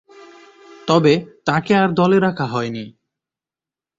তবে, তাকে আর দলে রাখা হয়নি।